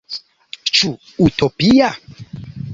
Ĉu utopia?